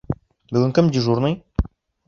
Бөгөн кем дежурный?